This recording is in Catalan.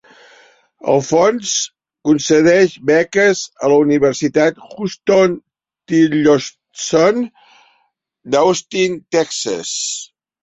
El fons concedeix beques a la Universitat Huston-Tillotson d'Austin, Texas.